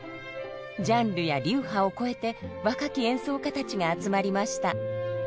ジャンルや流派を超えて若き演奏者たちが集まりました。